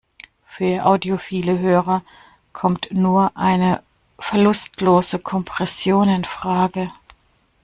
Für audiophile Hörer kommt nur eine verlustlose Kompression infrage.